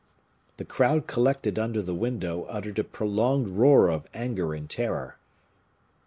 The crowd collected under the window uttered a prolonged roar of anger and terror.